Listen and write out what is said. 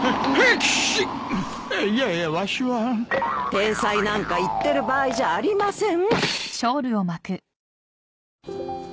体裁なんか言ってる場合じゃありません。